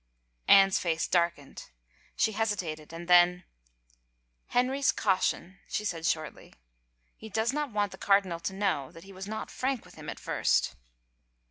Anne's face darkened. She hesitated and then, " Henry's caution," she said shortly. " He does not want the cardinal to know that he was not frank with him at first."